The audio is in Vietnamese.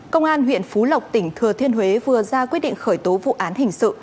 công an huyện phú lộc tỉnh thừa thiên huế vừa ra quyết định khởi tố vụ án hình sự